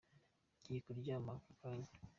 Ngiye kuryama aka kanya.